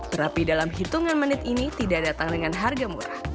terapi dalam hitungan menit ini tidak datang dengan harga murah